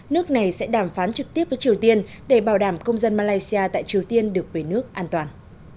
nước này sẽ đàm phán trực tiếp với triều tiên để bảo đảm công dân malaysia tại triều tiên được về nước an toàn